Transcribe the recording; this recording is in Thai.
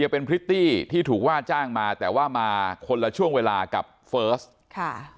เป็นพริตตี้ที่ถูกว่าจ้างมาแต่ว่ามาคนละช่วงเวลากับเฟิร์สค่ะ